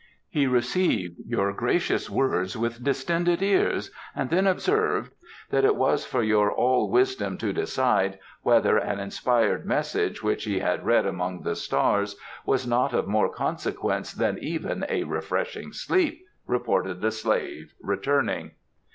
"He received your gracious words with distended ears and then observed that it was for your All wisdom to decide whether an inspired message which he had read among the stars was not of more consequence than even a refreshing sleep," reported the slave, returning.